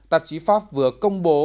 tạp chí forbes vừa công bố